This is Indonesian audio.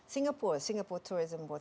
singapura singapura tourism board